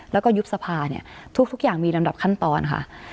แล้วก็ยุบสภาเนี่ยทุกอย่างมีลำดับขั้นตอนค่ะ